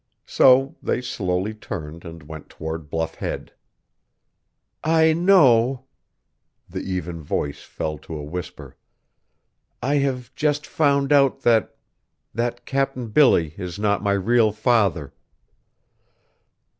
So they slowly turned and went toward Bluff Head. "I know," the even voice fell to a whisper, "I have just found out that that Cap'n Billy is not my real father!"